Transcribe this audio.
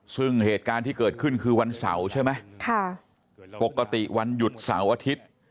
ซึ่งเหตุการณ์ที่เกิดขึ้นคือวันเสาร์ใช่ไหมค่ะปกติวันหยุดเสาร์อาทิตย์